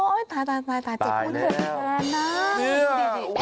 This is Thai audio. โอ๊ยตายจิ้มไหมที่มือแท้นะ